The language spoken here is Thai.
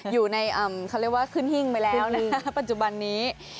อยู่ในเขาเรียกว่าขึ้นหิ้งไปแล้วนะคะปัจจุบันนี้